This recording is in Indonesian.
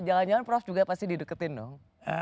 jangan jangan prof juga pasti dideketin dong